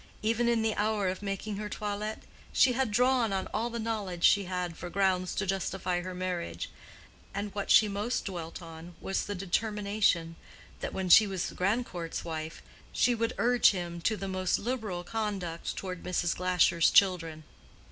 Even in the hour of making her toilet, she had drawn on all the knowledge she had for grounds to justify her marriage. And what she most dwelt on was the determination, that when she was Grandcourt's wife, she would urge him to the most liberal conduct toward Mrs. Glasher's children.